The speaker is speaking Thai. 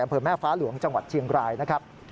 อำเภอแม่ฟ้าหลวงจังหวัดเชียงรายนะครับ